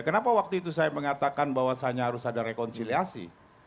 kenapa waktu itu saya mengatakan bahwasannya harus ada rekonsiliasi